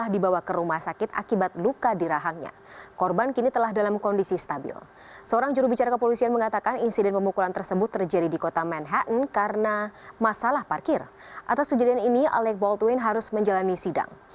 di kejadian ini oleg boltuin harus menjalani sidang